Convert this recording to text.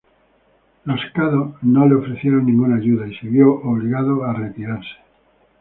Los caddo no le ofrecieron ninguna ayuda y se vio obligado a retirarse.